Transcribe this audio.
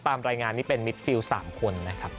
ตามรายงานนี่เป็นมิดฟิล๓คนนะครับ